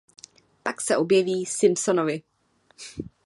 Pak se objeví Simpsonovi.